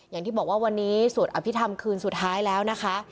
อย่างที่บอกว่าวันนี้สวดอภิษฐรรมคืนสุดท้ายแล้วนะคะ